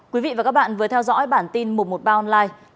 quý vị và các bạn vừa theo dõi bản tin một trăm một mươi ba online